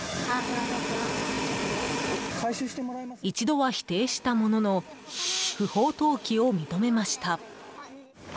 一度は否定したものの不法投棄を認めました。